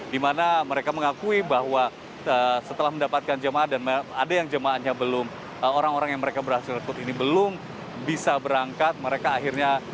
dimana mereka mengakui bahwa setelah mendapatkan jemaah dan ada yang jemaahnya belum orang orang yang mereka berhasil rekrut ini belum bisa berangkat mereka akhirnya